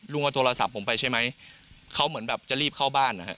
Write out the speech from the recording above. ลุงกับโทรศัพท์ผมไปใช่ไหมเขาเหมือนจะรีบเข้าบ้าน